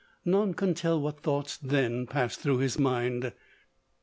None can tell what thoughts then passed through his mind.